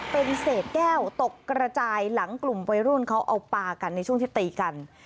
เป็นเศษแก้วตกกระจายหลังกลุ่มวัยรุ่นเขาเอาปลากันในช่วงที่ตีกัน